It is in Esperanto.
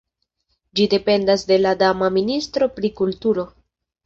Ĝi dependas de la dana ministro pri kulturo.